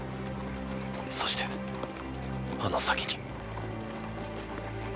そしてあの先に。